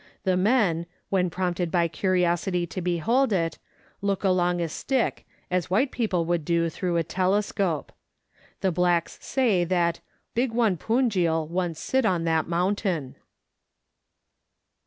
The men, when prompted by curiosity to behold it, look along a stick as white people would do through a telescope. The blacks say that " big one Punjil once sit on that mountain."